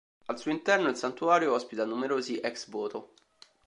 Al suo interno il santuario ospita numerosi ex voto.